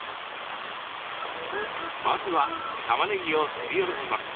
まずはたまねぎをすりおろします。